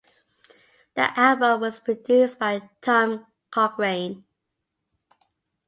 The album was produced by Tom Cochrane.